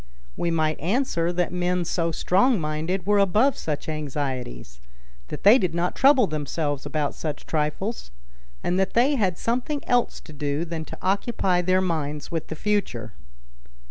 We might answer that men so strong minded were above such anxieties—that they did not trouble themselves about such trifles—and that they had something else to do than to occupy their minds with the future.